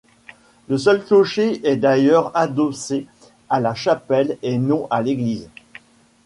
Le seul clocher est d'ailleurs adossé à la chapelle et non à l'église.